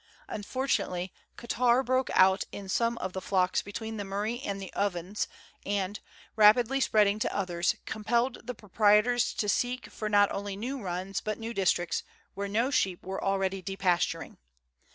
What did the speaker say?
Unfortunately catarrh broke out in some of the flocks between the Murray and the Ovens, and, rapidly spreading to others, com pelled the proprietors to seek for not only new runs but new districts, where no sheep were already depasturing.